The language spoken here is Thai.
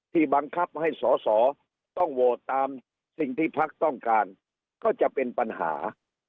บังคับให้สอสอต้องโหวตตามสิ่งที่พักต้องการก็จะเป็นปัญหา